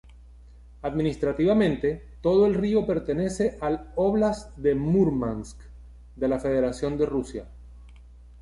Administrativamente, todo el río pertenece al óblast de Múrmansk de la Federación de Rusia.